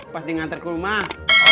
pas digantar ke rumah